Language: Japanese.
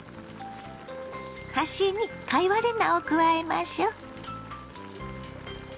端に貝割れ菜を加えましょ。